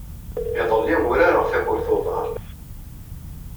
Iḍelli, urareɣ takurt n uḍar.